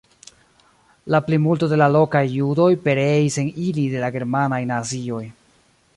La plimulto de la lokaj judoj pereis en ili de la germanaj nazioj.